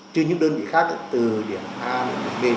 chứ những đơn vị khác từ điểm a điểm b